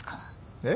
えっ？